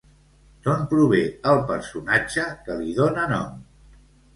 D'on prové el personatge que li dóna nom?